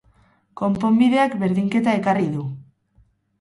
Konponbideak berdinketa ekarri du.